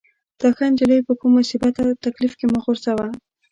دا ښه نجلۍ په کوم مصیبت او تکلیف کې مه غورځوه.